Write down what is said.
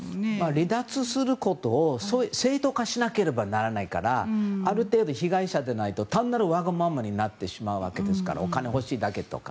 離脱することを正当化しなければならないからある程度、被害者でないと単なるわがままになってしまうわけですからお金欲しいだけとか。